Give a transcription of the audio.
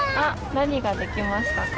何ができましたか？